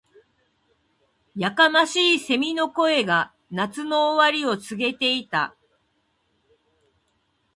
•やかましい蝉の声が、夏の終わりを告げていた。